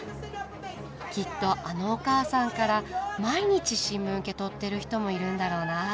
きっとあのお母さんから毎日新聞受け取ってる人もいるんだろうな。